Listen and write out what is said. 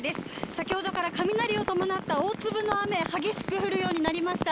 先ほどから雷を伴った大粒の雨、激しく降るようになりました。